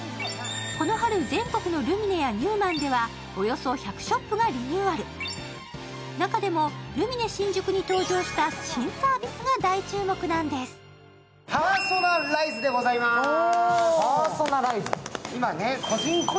この春、全国のルミネやＮＥＷｏＭａｎではおよそ１００ショップがリニューアル中でもルミネ新宿に登場した新サービスが大注目なんです。